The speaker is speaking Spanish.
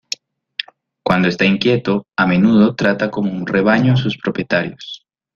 Cuando esta inquieto, a menudo trata como un "rebaño" a sus propietarios.